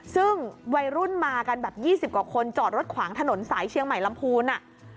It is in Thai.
ซึ่งวัยรุ่นมากันแบบ๒๐กว่าคนจอดรถขวางถนนสายเชียงใหม่ลำพูน